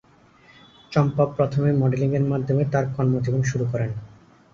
চম্পা প্রথমে মডেলিং-এর মাধ্যমে তার কর্মজীবন শুরু করেন।